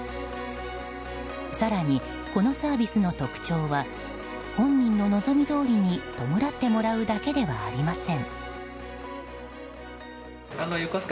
更に、このサービスの特徴は本人の望みどおりに弔ってもらうだけではありません。